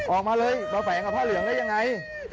ออกมาเลยมาแฝงกับผ้าเหลืองได้ยังไง